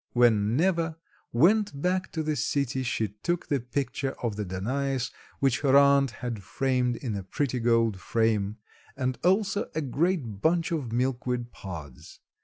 When Neva went back to the city she took the picture of the Danais which her aunt had framed in a pretty gold frame, and also a great bunch of milkweed pods.